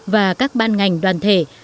và các ban ngành đoàn thể